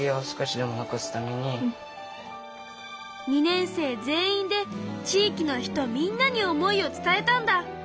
２年生全員で地域の人みんなに思いを伝えたんだ。